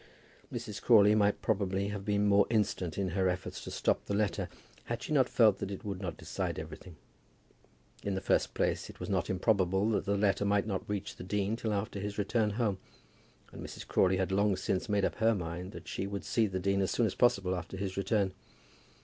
Mrs. Crawley might probably have been more instant in her efforts to stop the letter, had she not felt that it would not decide everything. In the first place it was not improbable that the letter might not reach the dean till after his return home, and Mrs. Crawley had long since made up her mind that she would see the dean as soon as possible after his return.